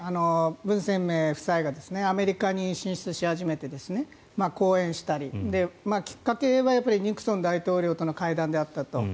ブン・センメイ夫妻がアメリカに進出し始めて講演したりきっかけはニクソン大統領との会談であったと。